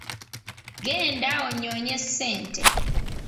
Genda onyoonye ssente.